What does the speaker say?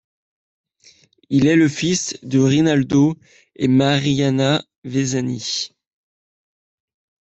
Il est le fils de Rinaldo et Marianna Vezzani.